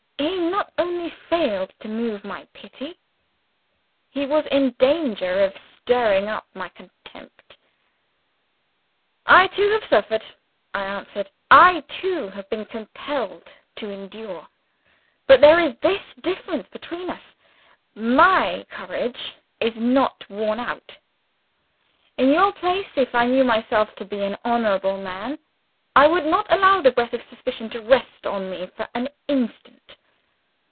He not only failed to move my pity he was in danger of stirring up my contempt. "I too have suffered," I answered. "I too have been compelled to endure. But there is this difference between us. My courage is not worn out. In your place, if I knew myself to be an honorable man, I would not allow the breath of suspicion to rest on me for an instant.